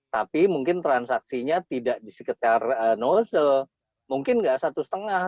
tapi mungkin transaksinya tidak di sekitar nozzle mungkin nggak satu lima